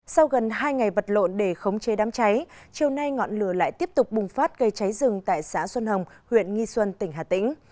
sau gần hai ngày vật lộn để khống chế đám cháy chiều nay ngọn lửa lại tiếp tục bùng phát gây cháy rừng tại xã xuân hồng huyện nghi xuân tỉnh hà tĩnh